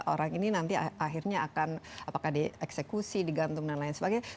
orang ini nanti akhirnya akan apakah dieksekusi digantung dan lain sebagainya